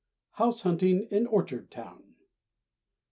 HOUSE HUNTING IN ORCHARD TOWN.